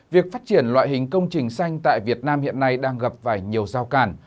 việc phát triển loại hình công trình xanh tại việt nam hiện nay đang gặp phải nhiều giao cản